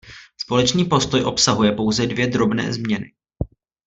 Společný postoj obsahuje pouze dvě drobné změny.